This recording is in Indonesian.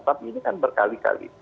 tapi ini kan berkali kali